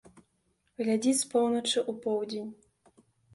Глядзіць з поўначы ў поўдзень.